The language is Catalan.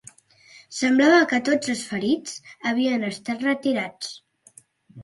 Semblava que tots els ferits havien estat retirats